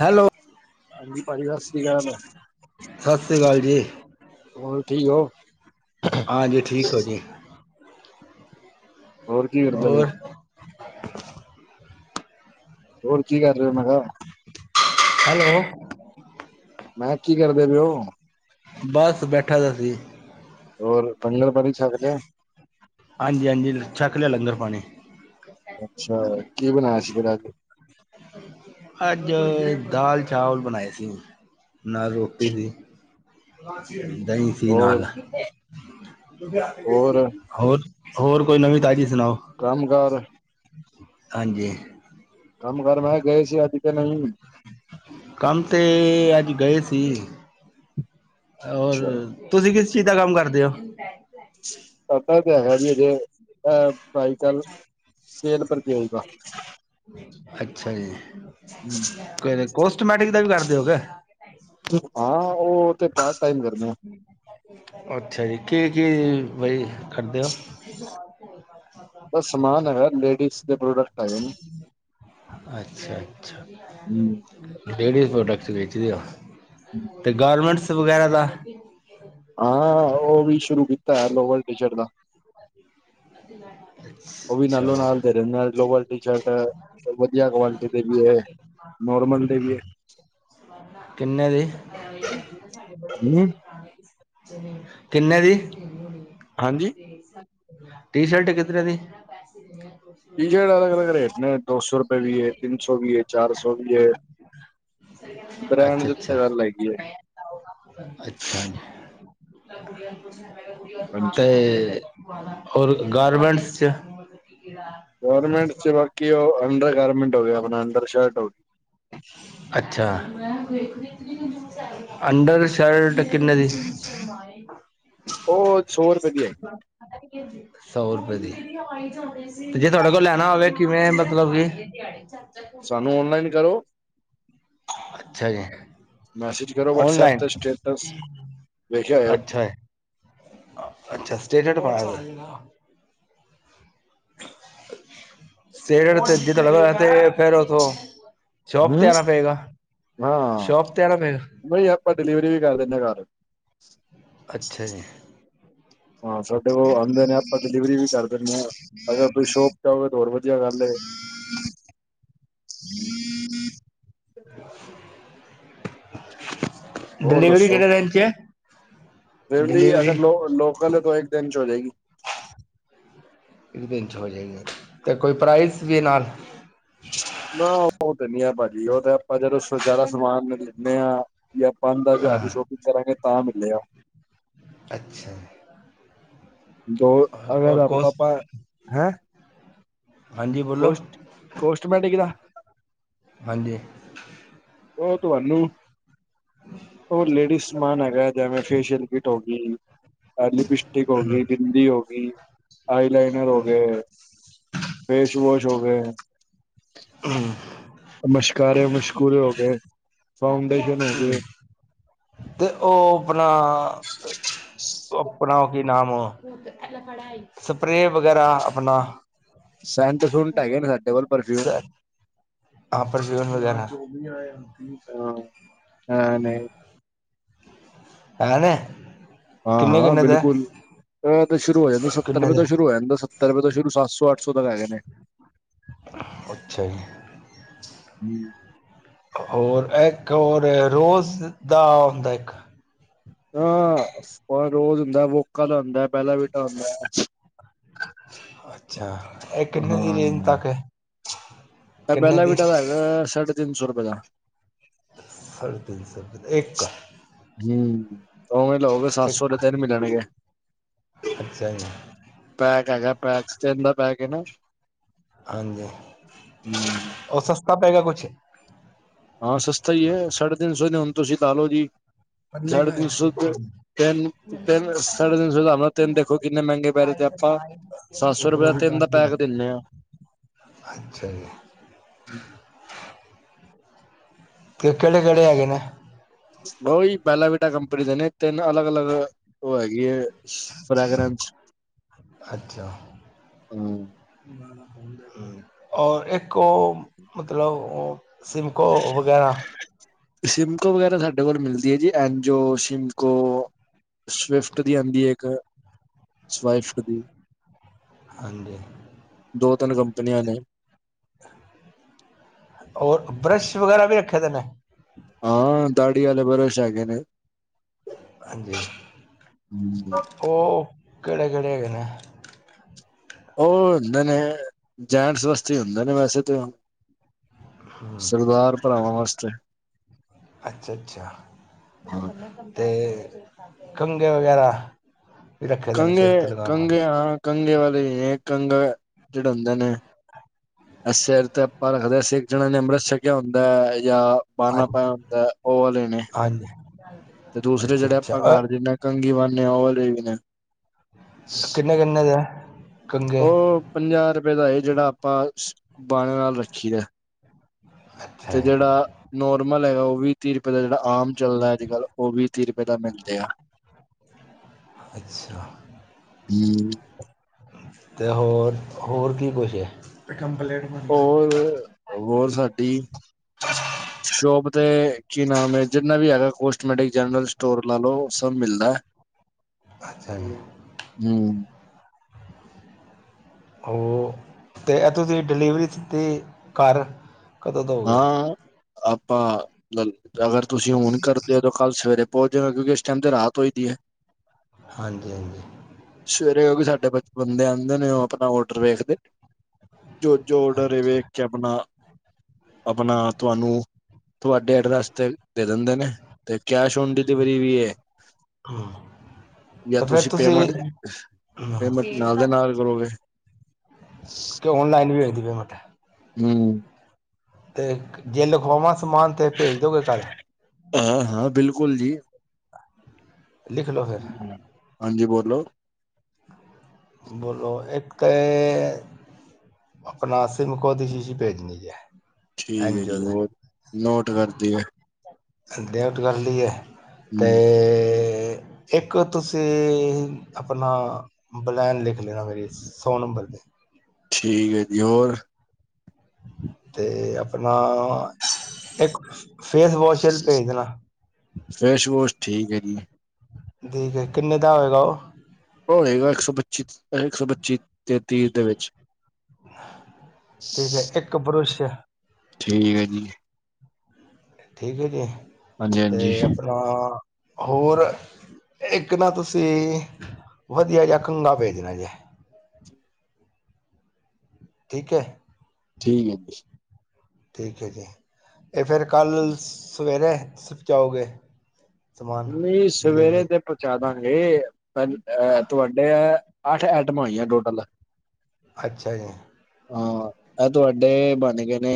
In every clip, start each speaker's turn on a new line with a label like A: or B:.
A: Hello
B: ਹਾਂਜੀ ਪਾਜੀ, ਸਸ ਸ੍ਰੀ ਕਾਲ।
A: ਸਤਿ ਸ੍ਰੀ ਅਕਾਲ ਜੀ
B: ਹੋਰ ਠੀਕ ਓ?
A: ਆਜੀ, ਠੀਕ ਏ ਜੀ।
B: ਹੋਰ ਕੀ ਕਰਦੇ ਪੇ ਓ?
A: ਹੋਰ
B: ਹੋਰ ਕੀ ਕਰ ਰੇ ਓ ਮੈਂ ਕਿਆ?
A: ਹੈਲੋ।
B: ਮੈਂ ਕਿਹਾਂ ਕੀ ਕਰਦੇ ਪੇ ਓ?
A: ਬਸ ਬੈਠਾ ਦਾ ਸੀ।
B: ਹੋਰ ਲੰਗਰ ਪਾਣੀ ਛੱਕ ਲਿਆ?
A: ਹਾਂਜੀ ਹਾਂਜੀ ਛੱਕ ਲਿਆ ਲੰਗਰ ਪਾਣੀ।
B: ਅੱਛਾ, ਕੀ ਬਣਾਇਆਂ ਸੀ ਫੇਰ ਅੱਜ?
A: ਅੱਜ ਦਾਲ ਚਾਵਲ ਬਣਾਏ ਸੀ, ਨਾਲ਼ ਰੋਟੀ ਸੀ। ਦਹੀਂ ਸੀ
B: ਹੋਰ
A: ਨਾਲ਼
B: ਹੋਰ
A: ਹੋਰ ਹੋਰ ਕੋਈ ਨਵੀਂ ਤਾਜ਼ੀ ਸੁਣਾਓ?
B: ਕੰਮ ਕਾਰ
A: ਹਾਂਜੀ।
B: ਕੰਮ ਕਾਰ ਮੈਂ ਕਿਹਾ ਅੱਜ਼ ਗਏ ਸੀ ਕਿ ਨਹੀ।
A: ਕੰਮ ਤੇ ਅੱਜ ਗਏ ਸੀ ਹੋਰ
B: ਅੱਛਾ
A: ਤੁਸੀ ਕਿਸ ਚੀਜ਼ ਦਾ ਕੰਮ ਕਰਦੇ ੳ?
B: ਆਪਾਂ ਤੇ ਹੈਗੀ ਏ ਹਜੇ ਏ ਭਾਈ ਕਲ ਸੇਲ ਪਰਚੇਜ ਦਾ
A: ਅੱਛਾ ਜੀ, ਕੋਸਟਮੈਟਿਕ ਦਾ ਵੀ ਕਰਦੇ ੳ ਕੇ?
B: ਹਾਂ ਉਹ ਤੇ ਪਾਰਟ ਟਾਈਮ ਕਰਨੇ ਆਂ।
A: ਅੱਛਾ ਜੀ। ਕੀ-ਕੀ ਬਈ ਕਰਦੇ ੳ? [inaudible]
B: ੳਹ ਸਮਾਨ ਹੈਂਗਾ ਲੇਡੀਜ਼ ਦੇ ਪ੍ਰੋਡਕਟ। ਹੈਗੇ
A: ਅੱਛਾ ਅੱਛਾ।
B: ਨੇ
A: ਲੇਡੀਜ਼ ਪ੍ਰੋਡਕਟਸ ਵੇਚਦੇ ਔ, ਤੇ ਗਾਰਮੈਂਟਸ ਵਗ਼ੈਰਾ ਦਾ
B: ਹਾਂ ਉਹ ਵੀ ਸ਼ੁਰੂ ਕੀਤਾ ਹੈ, ਲੋਅਰ ਟੀ ਸ਼ਰਟ ਦਾ।
A: [inaudible]
B: ਉਹ ਵੀ ਨਾਲੋਂ ਨਾਲ ਦੇ ਦਿੰਨੇ ਲੋਅਰ, ਟੀ ਸ਼ਰਟ। ਹੋਰ ਵਧੀਆ ਕੁਆਲਿਟੀ ਦੇ ਵੀ ਏ, ਨੋਰਮਲ ਦੇ ਵੀ ਏ।
A: ਕਿੰਨੇ ਦੀ?
B: ਹੈ
A: ਕਿੰਨੇ ਦੀ?
B: ਹਾਂਜੀ
A: ਟੀ ਸ਼ਰਟ ਕਿਤਨੇ ਦੀ? [inaudible]
B: ਟੀ ਸ਼ਰਟ ਅਲੱਗ ਅਲੱਗ ਰੇਟ ਨੇ ਦੋ ਸੌਂ ਰੁਪਏ ਵੀ ਏ, ਤਿੰਨ ਸੌਂ ਵੀ ਏ, ਚਾਰ ਸੌਂ ਵੀ ਏ।
A: ਅੱਛਾ ਅੱਛਾ। ਅੱਛਾ
B: ਹਾਂਜੀ
A: ਤੇ ਹੋਰ ਗਾਰਮੈਂਟਸ ਚ
B: ਗੌਰਮੈਂਟ ਚ ਬਾਂਕੀ ੳ ਅੰਡਰ ਗਾਰਮੈਂਟ ਹੋ ਗਿਆ, ਆਪਣਾਂ ਅੰਡਰ ਸ਼ਰਟ ਗਈ
A: ਅੱਛਾ। ਅੰਡਰ ਸ਼ਰਟ ਕਿੰਨੇਂ ਦੀ?
B: ਉਹ ਸੌ ਰੁਪਏ ਦੀ ਹੈਗੀ
A: [inaudible] ਸੌ ਰੁਪਏ ਦੀ। ਤੇ ਜੇ ਤੁਹਾਡੇ ਕੋਲ ਲੈਣਾ ਹੋਵੇ ਕਿਵੇਂ ਮਤਲਬ ਕਿ [inaudible]
B: ਸਾਨੂੰ ਔਨਲਾਈਨ ਕਰੋ।
A: ਅੱਛਾ ਜੀ
B: ਮੈਸੇਜ ਕਰੋ ਵਟਸਐਪ
A: ਔਨਲਾਈਨ
B: ਤੇ ਸਟੇਟਸ ਵੇਖਿਆ
A: ਅੱਛਾ ਅੱਛਾ ਸਟੇਟਟ ਪਾਇਆ ਦਾ ਸਟੇਟਟ ਤੇ ਜਿਦਾ ਲਗਾ ਹੋਇਆ ਫੇਰ ਉੱਥੋਂ ਸ਼ੋਪ ਤੇ
B: ਹਮ
A: ਆਣਾ ਪਏਗਾ।
B: ਹਾਂ,
A: ਸ਼ੋਪ ਤੇ ਆਣਾ ਪਏਗਾ
B: ਨਹੀ ਆਪਾਂ ਡਿਲੀਵਰੀ ਵੀ ਕਰ ਦਿੰਨੇ ਘਰ।
A: ਅੱਛਾ ਜੀ।
B: ਹਾਂ, ਸਾਡੇ ਕੋ ਆਂਦੇ ਨੇ ਆਪਾਂ ਡਿਲੀਵਰੀ ਵੀ ਕਰ ਦਿੰਦੇ ਹਾਂ ਅਗਰ ਤੁਸੀਂ ਸ਼ੋਪ ਚ ਆਓਗੇ ਤਾਂ ਹੋਰ ਵਧੀਆ ਗੱਲ ਏ।
A: [inaudible]
B: ਹੋਰ
A: ਡਿਲੀਵਰੀ ਕੇੜੇ ਰੇਟ ਚ ਏ।
B: ਫਿਰ ਵੀ ਅਗਰ ਲੋ ਲੋਕਕਲ ਹੈ ਤਾਂ ਇੱਕ ਦਿਨ ਚਚ ਹੋ ਜਾਏਗੀ।
A: ਇਕ ਦਿਨ ਚ ਹੋ ਜਾਏਗਾ ਜੀ, ਤੇ ਕੋਈ ਪ੍ਰਾਈਜ ਵੀ ਨਾਲ?
B: ਨਾ ਉਹ ਤੇ ਨੀ ਆ ਭਾਜੀ ਉਹ ਤੇ ਆਪਾਂ ਜਦੋਂ ਜ਼ਿਆਦਾ ਸਮਾਨ ਲੈਂਦੇ ਹਾਂ। ਜਾਂ ਪੰਜ ਦਸ ਹਜਾਰ ਦੀ ਸ਼ੋਪਿੰਗ ਕਰਾਂਗੇ ਤਾਂ ਮਿਲੇ ਗਾ।
A: ਅੱਛਾ।
B: ਦੋ ਅਗਰ
A: ਔਰ ਕੋਸ
B: ਆਪਾਂ [unintelligible] ਹੈਂ।
A: ਹਾਂਜੀ ਬੋਲੋ,
B: ਕੋਸ ਕੋਸਟਮੈਟਿਕ ਦਾ
A: ਹਾਂਜੀ।
B: ਉਹ ਤੁਹਾਨੂੰ ਉਹ ਲੇਡੀਜ਼ ਸਮਾਨ ਹੈਗਾ ਜਿਵੇਂ ਫੇਸ਼ਅਲ ਕਿਟ ਹੋ ਗਈ। ਐ ਲਿਪਸਟਿਕ ਹੋ ਗੀ, ਬਿੰਦੀ ਹੋ ਗਈ, ਆਈ ਲਾਈਨਰ ਹੋ ਗਏ। ਫੇਸ ਵਾਸ਼ ਹੋ ਗਏ।
A: [inaudible]
B: ਮਸ਼ਕਾਰੇ ਮੁਸ਼ਕਾਰੇ ਹੋ ਗਏ। ਫਾਊਂਡੇਸ਼ਨ ਹੋ ਗਏ
A: [inaudible] ਤੇ ਉਹ ਆਪਣਾ ਆਪਣਾ ਉਹ ਕੀ ਨਾਮ ਸਪਰੇ ਵਗੈਰਾ ਆਪਣਾ
B: ਸੈਂਟ ਸੁੰਟ ਹੈਗੇ ਨੇ ਸਾਡੇ ਕੋਲ ਪਰਫਿਊ
A: ਹਾਂ ਪਰਫਿਊਮ ਵਗੈਰਾ [unintelligible]
B: ਹਾਂ ਨਹੀਂ
A: [unintelligible] ਕਿੰਨੇ
B: ਹਾਂ-ਹਾਂ,
A: ਕਿੰਨੇ ਦਾ
B: ਬਿਲਕੁਲ। ਤੇ ਸ਼ੁਰੂ ਹੋ ਜਾਂਦੇ, ਸੱਤਰ
A: ਕਿੰਨੇ
B: ਰੁਪਏ ਤੋਂ
A: ਦਾ
B: ਸ਼ੁਰੂ ਹੋ ਜਾਂਦਾ ਸੱਤਰ ਰੁਪਏ ਤੋਂ ਸ਼ੁਰੂ ਸਤ ਸੌ ਅੱਠ ਸੌ ਤੱਕ ਹੈਗੇ ਨੇ।
A: ਅੱਛਾ ਜੀ।
B: ਹੁੰ।
A: ਔਰ ਇੱਕ ਹੋਰ ਰੋਜ਼ ਦਾ ਹੁੰਦਾ ਇੱਕ?
B: ਹਾਂ ਪਰ ਰੋਜ਼ ਹੁੰਦਾ ਵੋਕਾ ਦਾ ਹੁੰਦਾ ਬੇਲਾਂਵਿਟ
A: ਅੱਛਾ, ਇਹ ਕਿੰਨੇ ਦੀ ਰੇਂਜ ਤੱਕ ਏ? [inaudible]
B: ਬੈੱਲਵਿਟਾ ਦਾ ਹੈਗਾ ਸਾਢੇ ਤਿੰਨ ਸੌ ਰੁਪਏ ਦਾ।
A: ਸਾਢੇ ਤਿੰਨ ਸੌ ਰੁਪਏ ਦਾ ਇੱਕ।
B: ਹੁੰ, ਉਵੇਂ ਲੋ ਗੇ ਸੱਤ ਸੌ ਦੇ
A: ਇੱਕ
B: ਤਿੰਨ ਮਿਲਣਗੇ।
A: ਅੱਛਾ ਜੀ।
B: ਪੈਕ ਹੈਗਾ ਪੈਕ ਤਿਨ ਦਾ ਪੈਕ ਏ ਨਾ।
A: ਹਾਂਜੀ,
B: ਹੂੰ।
A: ਉਹ ਸਸਤਾ ਪਏਗਾ ਕੁਛ?
B: ਹਾਂ, ਸਸਤਾ ਹੀ ਏ, ਸਾਢੇ ਤਿੰਨ ਸੌ ਦੇ ਹੁਣ ਤੁਸੀਂ ਲਾ ਲੋ ਜੀ
A: ਪੜਨੇ
B: ਸਾਢੇ
A: ਕਾ ਹੈ
B: ਤਿੰਨ ਸੌ
A: ਇਸਕੇ
B: ਦੇ ਤਿੰਨ, ਤਿੰਨ ਸਾਢੇ ਤਿੰਨ ਸੌ ਦੇ ਹਿਸਾਬ ਨਾਲ ਤਿੰਨ ਦੇ ਦੇਖੋ ਕਿੰਨੇ ਮਹਿੰਗੇ ਪੈ ਰੇ ਤੇ ਆਪਾਂ ਸੱਤ ਸੌ
A: ਉਪਰੋਂ
B: ਰੁਪਏ
A: ਵੀ
B: ਤਿੰਨ ਦਾ
A: ਕਾਟ
B: ਪੈਕ ਦਿੰਨੇ ਹਾਂ।
A: ਅੱਛਾ ਜੀ। ਤੇ ਕੇੜੇ-ਕੇੜੇ ਹੈਗੇ ਨੇ?
B: ਬਾਉ ਜੀ ਬੈਲਾਵੀਟਾ ਕੰਪਨੀ ਦੇ ਨਾ ਤੇਨ ਅਲਗ-ਅਲਗ ਓ ਹੈਗੀ ਏ
A: ਅੱਛਾ।
B: ਹਮ
A: ਔਰ ਏਕ ਓ ਮਤਲਬ ਓ ਸਿਮਕੋ ਵਗੈਰਾ
B: ਸਿਮਕੋ ਵਗੈਰਾ ਸਾਡੇ ਕੋਲ ਮਿਲਦੀ ਏ ਜੀ, ਐਨਜੋ, ਸਿਮਕੋ। ਸਵਿਫਟ ਦੀ ਆੰਦੀ ਏ ਇੱਕ ਸਵਾਇਫਟ ਦੀ।
A: ਹਾਂਜੀ।
B: ਦੋ, ਤਿਨ ਕੰਪਨੀਆਂ ਨੇ।
A: ਔਰ ਬ੍ਰਸ਼ ਵਗੈਰਾ ਵੀ ਰੱਖੇ ਦੇ ਨੇ?
B: ਹਾਂ, ਦਾੜੀ ਆਲੇ ਬ੍ਸ਼ ਹੈਗੇ ਨੇ।
A: ਹਾਂਜੀ, ਓ ਕੇੜੇ-ਕੇੜੇ ਹੈਗੇ ਨੇ?
B: ਓ ਹੁੰਦੇ ਨੇ, ਜੈਂਟਸ ਵਾਸਤੇ ਈ ਹੁੰਦੇ ਨੇ ਵੈਸੇ ਤੇ ਓ।
A: ਹੂੰ
B: ਸਰਦਾਰ ਭਰਾਵਾਂ ਵਾਸਤੇ।
A: ਅੱਛਾ ਅੱਛਾ, ਤੇ ਕੰਗੇੇ ਵਗੈਰਾ? ਵੀ ਰੱਖੇ ਦੇ ਨੇ
B: ਕੰਗੇ
A: ਸਿਰ ਤੇ ਲਗਾਉਣ
B: ਕੰਗੇ
A: ਵਾਲੇ
B: ਹਾਂ ਕੰਗੇ ਵਾਲੇ ਈ ਏ, ਕੰਗੇ ਜੇੜੇ ਹੁੰਦੇ ਨੇ। ਐ ਸੇਰ ਤੇ ਅਪਾਂ ਰੱਖਦੇ ਸਿੱਖ ਜਿਨਾ ਨੇ ਅੰਮ੍ਰਤ ਛਕਿਆ ਹੁੰਦਾ ਯਾ
A: ਹਾਂਜ ਹਾਂਜੀ।
B: ਤੇ ਦੂਸਰੇ
A: ਅੱਛਾ
B: ਜੇੜੇ ਅਪਾਂ ਘੱਰ
A: ਅੱਛਾ
B: ਜਿਦੇ ਨਾਲ ਕੰਘੀ ਵਾਹਨੇ ਆ ਓਹ ਵਾਲੇ ਵੀ ਨੇ।
A: ਕਿੰਨੇ-ਕਿੰਨੇ ਦੇ ਕੰੰਘੇ?
B: ਉਹ ਪੰਜਾਹ ਰੁਪਏ ਦਾ ਏ, ਜੇੜਾ ਆਪਾਂ ਬਾਣੇ ਨਾਲ ਰੱਖੀ ਦਾ।
A: ਅੱਛਾ
B: ਤੇ
A: ਜੀ,
B: ਜੇੜਾ ਨੋਰਮਲ ਹੈਗਾ, ਓਹ ਵੀਹ-ਤੀਹ ਰੁਪਏ ਦਾ ਜੇੜਾ ਆਮ ਚਲਦਾ ਅੱਜਕਲ। ਓ ਵੀਹ-ਤੀਹ ਰੁਪਏ ਦਾ ਮਿਲ ਜੇਗਾ।
A: ਅੱਛਾ।
B: ਹੂੰ।
A: ਤੇ ਹੋਰ, ਹੋਰ ਕੀ ਕੁਛ ਏ? ਕੰਪਲੇਟ
B: ਔਰ, ਵੋ ਸਾਡੀ ਸ਼ੋਪ ਤੇ ਕੀ ਨਾਮ ਏ ਜਿੰਨਾ ਵੀ ਹੈਗਾ ਕੋਸਟਮੈਟਿਕ ਜਨਰਲ ਸਟੋਰ ਲਾ ਲੋ, ਸਭ ਮਿਲਦਾ।
A: ਅੱਛਾ ਜੀ
B: ਹੂੰ ਹੂੰ।
A: ਹੋ ਤੇ ਐ ਤੁਸੀ ਡਿਲੀਵਰੀ ਸਿਧੀ ਘਰ ਕਦੋਂ ਦਓਗੇ
B: ਹਾਂ, ਆਪਾਂ ਲਲ ਅਗਰ ਤੁਸੀ ਹੁਣ ਕਰਦੇ ੳ ਤੇ ਕੱਲ ਸਵੇਰੇ ਪੋਂਚ ਜੇਗਾ, ਕਿਉਂਕਿ ਇਸ ਟੈਮ ਤੇ ਰਾਤ ਹੋਈ ਦੀ ਏ।
A: ਹਾਂਜੀ ਹਾਂਜੀ।
B: ਸਵੇਰੇ ਔਵੀ ਸਾਡੇ ਬਚਪਨ ਦੇ ਆੰਦੇ ਨੇ ਓਹ ਆਪਣਾ ਔਡਰ ਵੇਖਦੇ ਜੋ ਜੋ ਔਡਰ ਏ ਵੇਖ
A: ਅੱਛਾ
B: ਕੇ ਅਪਣਾ ਅਪਣਾ ਤੁਵਾਨੂੰ ਤੁਆਡੇ ਐਡਰੈਸ ਤੇ ਦੇ ਦੇੰਦੇ ਨੇ। ਤੇ ਕੈਸ਼ ਔਨ ਡਿਲੀਵਰੀ ਵੀ ਏ।
A: ਹੂੰ
B: ਯਾ
A: ਅਤੇ ਫਿਰ
B: ਤੁਸੀ
A: ਤੁਸੀਂ
B: ਪੇਮੈਂਟ, ਪੇਮੈਂਟ ਨਾਲ ਦੇ ਨਾਲ ਕਰੋਗੇ।
A: ਤੇ ਔਨਲਾਈਨ ਵੀ ਹੋ ਜਾਂਦੀ ਪੇਮੇੰਟ।
B: ਹੂੰ।
A: ਤੇ ਜੇ ਲਿਖਵਾਵਾਂ ਸਮਾਨ ਤੇ ਭੇਜ ਦੋਗੇ ਘਰ?
B: ਹਾਂ ਹਾਂ, ਬਿਲਕੁਲ ਜੀ।
A: ਲਿਖ ਲਓ ਫਿਰ
B: ਹੂੰ, ਹਾਂਜੀ ਬੋਲੋ।
A: ਬੋਲੋ ਇੱਕ ਏ ਅਪਣਾ ਸਿਮਕੋ ਦੀ ਸ਼ੀਸ਼ੀ ਭੇਜਨੀ ਜੇ
B: ਠੀਕ
A: ਐਨ
B: ਏ
A: ਓ
B: ਜੀ, ਹੋਰ ਨੋਟ ਕਰ ਤੀ ਐ।
A: ਡੈਫਟ ਕਰ ਲੀ ਏ, ਤੇ
B: ਹਮ
A: ਇੱਕ ਤੁਸੀ ਆਪਣਾ ਬਲੈਨ ਲਿੱਖ ਲੇਣਾ ਮੇਰੀ ਸੌ ਨੰਬਰ ਦੇ।
B: ਠੀਕ ਐ ਜੀ, ਹੋਰ?
A: ਤੇ ਆਪਣਾ ਏੱਕ ਫੇਸ ਵੋਸ਼ਲ ਭੇਜ ਦੇਨਾ।
B: ਫੇਸ਼ ਵੋਸ਼ ਠੀਕ ਏ ਜੀ।
A: ਜੀ ਸਰ। ਕਿੰਨੇ ਦਾ ਹੋਏਗਾ ਓ?
B: ਓ ਹੋਏਗਾ ਏੱਕ ਸੌ ਪੱਚੀ ਓ ਏੱਕ ਸੌ ਪੱਚੀ ਤੇ ਤੀ ਦੇ ਵਿੱਚ
A: ਠੀਕ ਐ ਤੇ ਏੱਕ ਬੁਰਸ਼
B: ਠੀਕ ਐ ਜੀ।
A: ਠੀਕ ਐ ਜੀ
B: ਹਾਂਜੀ
A: ਤੇ
B: ਹਾਂਜੀ
A: ਆਪਣਾ ਹੋਰ ਏੱਕ ਨਾ ਤੁਸੀ ਵਧੀਆ ਜਾ ਕੰਘਾ ਭੇਜਨਾ ਜੇ। ਠੀਕ ਐ।
B: ਠੀਕ ਏ ਜੀ।
A: ਠੀਕ ਐ ਜੀ ਤੇ ਫੇਰ ਕਾੱਲ ਸਵੇਰੇ ਸ ਜਾਓਗੇ।
B: ਨਈ ਸਵੇਰੇ ਤੇ [unintelligible] ਪੰਜ ਅ ਤੁਆਡੇ ਐ ਅੱਠ ਐਟਮਾਂ ਹੋਈਆਂ ਟੋਟਲ
A: ਅੱਛਾ ਜੀ।
B: ਹਾਂ ਐ ਤੁਆਡੇ ਬਨ ਗੇ ਨੇ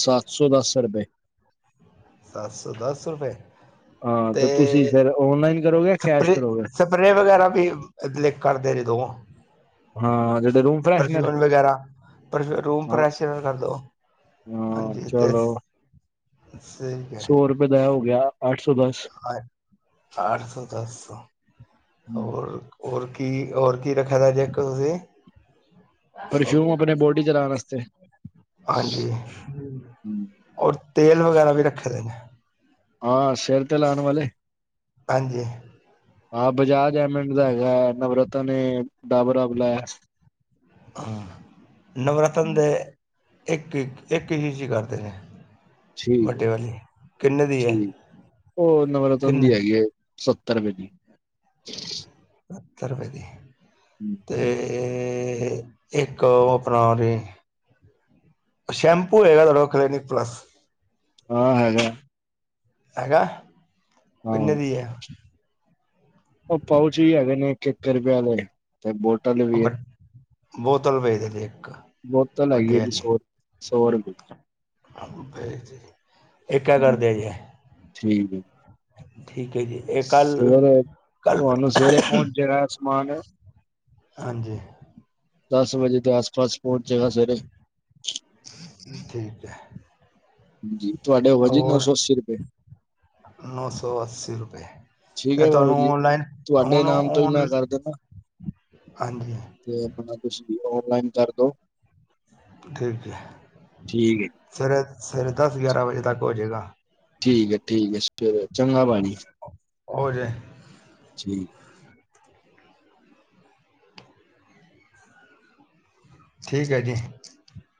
B: ਸੱਤ ਸੌ ਦਸ ਰੁਪਏ।
A: ਸੱਤ ਸੌ ਦਸ ਰੁਪਏ
B: ਹਾਂ
A: ਤੇ
B: ਤੁਸੀਂ ਫਿਰ ਔਨਲਾਈਨ ਕਰੋਗੇ ਕੈਸ਼
A: ਸਪ੍ਰੇ,
B: ਕਰੋਗੇ
A: ਸਪ੍ਰੇ ਵਗੈਰਾ ਵੀ ਅ ਦ ਕਰਦੇ ਨੇ ਦੋਵਾਂ
B: ਹਾਂ। ਰੂਮ ਫਰੈਸ਼ਨਰ
A: ਪਰਫਿਊਨ ਵਗੈਰਾ ਪਰਫ ਰੂਮ
B: ਹਾਂ
A: ਪ੍ਰੈਸ਼ਰ ਨਾ ਕਰ ਦੋ।
B: ਹਾਂ
A: ਹਾਂਜੀ ਤੇਸ
B: ਚਲੋ
A: ਸਹੀਕ ਐ।
B: ਓਦਾ ਐ ਹੋ ਗਿਆ ਆੱਠ ਸੌ ਦਸ
A: ਅੱਠ ਸੌ ਦਸ ਸੌ ਹੋਰ ਔਰ ਕੀ ਔਰ ਕੀ ਰੱਖੇਆ ਦਾ ਜੇ ਏੱਕ ਤੁਸੀ
B: ਪਰਫਿਊਮ ਆਪਣੇ ਬੋਡੀ ਚ ਲਾਉਣ ਵਾਸਤੇ
A: ਹਾਂਜੀ। ਔਰ ਤੇਲ ਵਗੈਰਾ ਵੀ ਰੱਖੇ ਦੇ ਨੇ।
B: ਆ ਸੇਰ ਤੇ ਲਾਨ ਵਾਲੇ?
A: ਹਾਂਜੀ।
B: ਆ ਬਜਾਜ ਐਮਡ ਦਾ ਹੈਗਾ, ਨਵਰਤਨ ਏ, ਡਾਬਰ ਆਵਲਾ ਐ।
A: ਹਾਂ। ਨਵਰਤਨ ਦੇ ਏੱਕ-ਏੱਕ, ਏੱਕ [unintelligible] ਕਰਦੇ ਨੇ।
B: ਠੀਕ ਏ।
A: ਵੱਡੇ ਵਾਲੀ ਕਿੰਨੇ ਦੀ ਹੈ
B: ਠੀਕ। ਓ ਨਵਰਤਨ
A: ਕਿੰਨੇ
B: ਦੀ ਹੈਗੀ ਏ। ਸੱਤਰ ਰਪਏ ਦੀ।
A: ਸੱਤਰ ਰਪਏ ਦੀ।
B: ਹੂੰ।
A: ਤੇ ਏੱਕ ਓ ਆਪਣਾ ਓਰੀ। ਸ਼ੈਂਪੂ ਹੋਏਗਾ ਤੁਆਡਾ ਕੋਲ ਕਲੀਨਿਕ ਪਲੱਸ।
B: ਹਾਂ ਹੈਗੈ।
A: ਹੈਗੈ?
B: ਹਾਂ
A: ਕਿੰਨੇ ਦੀ ਏ?
B: ਓ ਪਾਊਚ ਵੀ ਹੈਗੇ ਨੇ ਏੱਕ-ਏੱਕ ਰਪਏ ਆਲੇ ਤੇ ਬੋਟਲ ਵੀ ਏ।
A: ਵ ਬੋਤਲ ਭੇਜਦੇ ਏੱਕ।
B: ਬੋਤਲ ਹੈਗੀ ਏ ਜੀ ਸੌ ਰ, ਸੌ ਰੁਪਏ।
A: ਏੱਕ ਐ ਕਰਦੇਆ ਜੇ।
B: ਠੀਕ ਹੈ।
A: ਠੀਕ ਐ ਜੀ। ਇਹ ਕੱਲ- ਕੱਲ ਫੇਰ।
B: ਜਿਹੜਾ ਸਮਾਨ।
A: ਹਾਂਜੀ!
B: ਦਸ ਵਜੇ ਦੇ ਆਸ- ਪਾਸ ਪਹੁੰਚ ਜਾਣਾ ਸਵੇਰੇ।
A: ਠੀਕ ਹੈ!
B: ਜੀ ਤੁਹਾਡੇ ਹੋਏ ਜੀ ਨੌ
A: ਔਰ
B: ਸੌ ਅੱਸੀ ਰੁਪਏ।
A: ਨੌ ਸੌ ਅੱਸੀ ਰੁਪਏ।
B: ਠੀਕ
A: ਤੇ
B: ਹੈ ਬਾਬੂ
A: ਤੁਹਾਨੂੰ
B: ਜੀ
A: ਓਨਲਾਈਨ
B: ਤੁਹਾਡੇ ਨਾਮ ਤੋਂ ਹੀ ਮੈਂ
A: ਉਨੂੰ
B: ਕਰ ਦੇਣਾ
A: - ਹਾਂਜੀ।
B: ਤੇ ਆਪਣਾ ਕੁਛ ਵੀ ਲੋ ਔਨਲਾਈਨ ਕਰਦੋ'
A: ਠੀਕ ਹੈ
B: ਠੀਕ ਹੈ।
A: ਸਵੇਰੇ- ਸਵੇਰੇ ਦਸ- ਗਿਆਰਾਂ ਵਜੇ ਤੱਕ ਹੋ ਜਾਵੇਗਾ'
B: ਠੀਕ ਹੈ! ਠੀਕ ਐ ਫਿਰ ਚੰਗਾ ਪਾਣੀ'
A: ਹੋ ਜਾਏ'
B: ਜੀ'
A: ਠੀਕ ਹੈ ਜੀ'